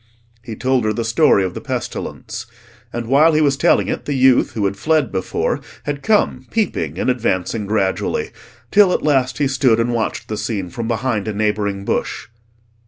He told her the story of the pestilence: and while he was telling it, the youth, who had fled before, had come peeping and advancing gradually, till at last he stood and watched the scene from behind a neighbouring bush.